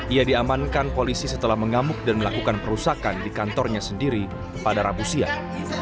ia diamankan polisi setelah mengamuk dan melakukan perusakan di kantornya sendiri pada rabu siang